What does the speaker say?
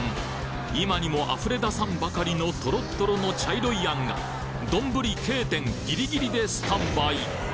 今にも溢れ出さんばかりのとろっとろの茶色い餡が丼Ｋ点ギリギリでスタンバイ！